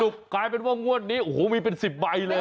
กลายเป็นว่างวดนี้โอ้โหมีเป็น๑๐ใบเลย